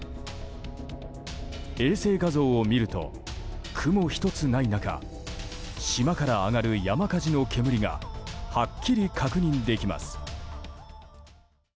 衛星画像を見ると雲一つない中島から上がる山火事の煙がはっきり確認できます。